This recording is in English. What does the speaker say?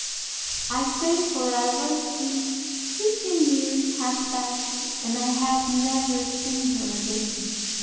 "I say for ever, since fifteen years have passed and I have never seen her again.